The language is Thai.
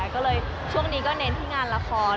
ก็เลยช่วงนี้ก็เน้นที่งานละคร